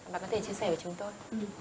bạn có thể chia sẻ với chúng tôi